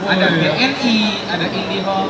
ada bni ada indihol